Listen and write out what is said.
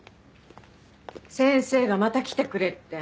先生がまた来てくれって。